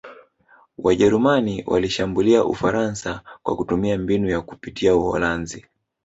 Wajerumani walishambulia Ufaransa kwa kutumia mbinu ya kupitia Uholanzi